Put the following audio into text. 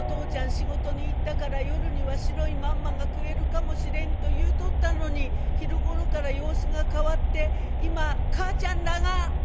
仕事に行ったから夜には白いまんまが食えるかもしれん』と言うとったのに昼頃から様子が変わって今母ちゃんらが」。